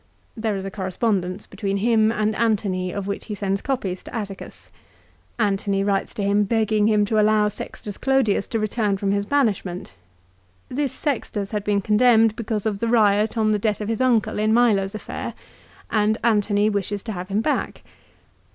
There is a correspondence between him and Antony of which he sends copies to Atticus. Antony writes to him begging him to allow Sextus Clodius to return from his banishment. This Sextus had been condemned because of the riot on the death of his uncle in Milo's affair, and Antony wishes to have him back.